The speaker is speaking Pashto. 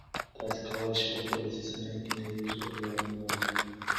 تاسي کولای شئ په خپلو لاسي صنایعو کې نوي والی راولئ.